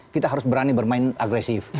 kita harus berani bermain agresif